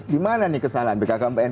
di mana kesalahan bkkbn